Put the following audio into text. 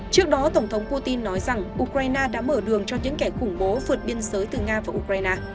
trước đó tổng thống putin nói rằng ukraine đã mở đường cho những kẻ khủng bố vượt biên giới từ nga và ukraine